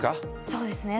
そうですね。